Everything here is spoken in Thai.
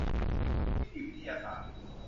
นิติวิทยาศาสตร์